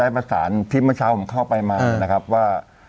ประสานที่เมื่อเช้าผมเข้าไปมานะครับว่า